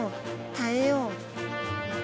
耐えよう。